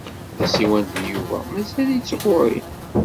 Tasiwant n Yuba mazal-itt ɣer-i.